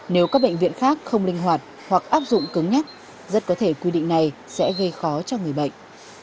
nếu các bệnh viện khác không linh hoạt hoặc áp dụng cứng nhắc rất có thể quy định này sẽ gây khó cho người bệnh